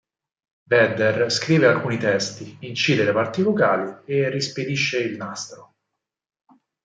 Vedder scrive alcuni testi, incide le parti vocali e rispedisce il nastro.